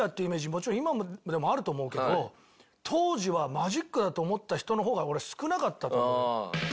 もちろん今でもあると思うけど当時はマジックだと思った人の方が俺少なかったと思うよ。